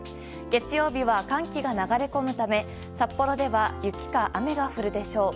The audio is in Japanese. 月曜日は寒気が流れ込むため札幌では雪か雨が降るでしょう。